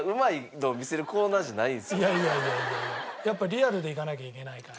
いやいやいやいややっぱリアルでいかなきゃいけないから。